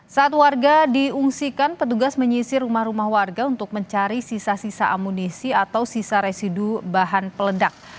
saat warga diungsikan petugas menyisir rumah rumah warga untuk mencari sisa sisa amunisi atau sisa residu bahan peledak